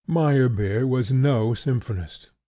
Meyerbeer was no symphonist.